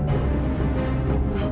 aku akan menangkanmu